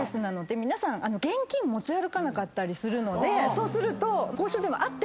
そうすると。